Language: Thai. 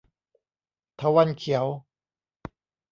เถาวัลย์เขียว